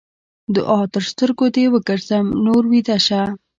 دوعا؛ تر سترګو دې وګرځم؛ نور ويده شه.